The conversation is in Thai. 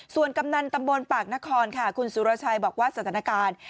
ส่วนกำนันตำบลปากนครค่ะคุณสุรชัยบอกว่าสถานการณ์